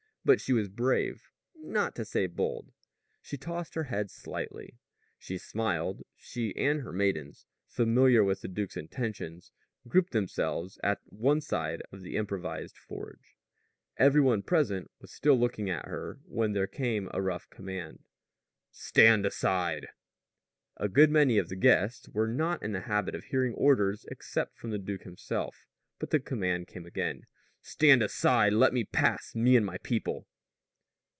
But she was brave, not to say bold. She tossed her head slightly. She smiled. She and her maidens, familiar with the duke's intentions, grouped themselves at one side of the improvised forge. Every one present was still looking at her when there came a rough command: "Stand aside!" A good many of the guests were not in the habit of hearing orders except from the duke himself; but the command came again: "Stand aside! Let me pass me and my people!"